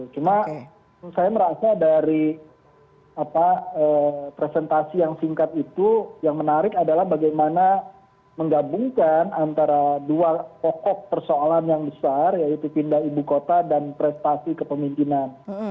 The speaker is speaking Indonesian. cuma saya merasa dari presentasi yang singkat itu yang menarik adalah bagaimana menggabungkan antara dua pokok persoalan yang besar yaitu pindah ibu kota dan prestasi kepemimpinan